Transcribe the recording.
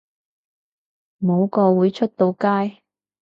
冇個會出到街